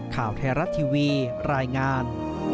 ข่าวไทยรัฐทีวีรายงาน